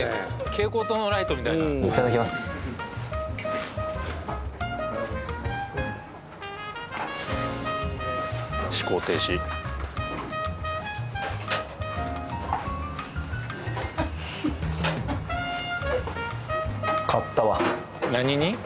蛍光灯のライトみたいないただきます思考停止何に？